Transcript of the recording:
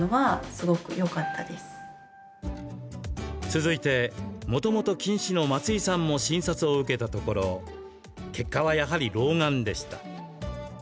続いて、もともと近視の松井さんも診察を受けたところ結果は、やはり老眼でした。